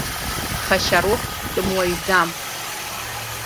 Ԥхашьароуп, дтәымуаҩӡам!